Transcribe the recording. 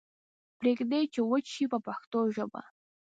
پریږدئ چې وچ شي په پښتو ژبه.